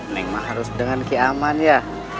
neng mah harus dengan ki aman ya